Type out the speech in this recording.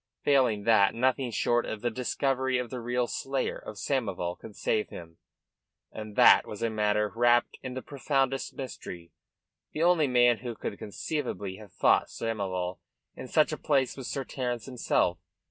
Failing that, nothing short of the discovery of the real slayer of Samoval could save him and that was a matter wrapped in the profoundest mystery. The only man who could conceivably have fought Samoval in such a place was Sir Terence himself.